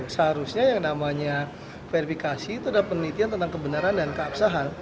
seharusnya yang namanya verifikasi itu adalah penelitian tentang kebenaran dan keabsahan